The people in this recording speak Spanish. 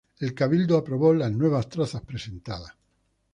El Cabildo aprobó las nuevas trazas presentadas.